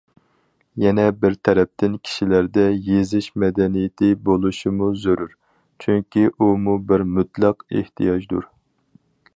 يەنە بىر تەرەپتىن، كىشىلەردە« يېزىش» مەدەنىيىتى بولۇشمۇ زۆرۈر، چۈنكى ئۇمۇ بىر« مۇتلەق ئېھتىياج» دۇر.